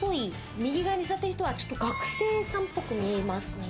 右側に座ってる人は学生さんっぽく見えますね。